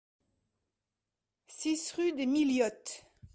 six rue des Milliottes